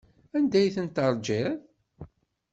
Anda ay tent-teṛjiḍ?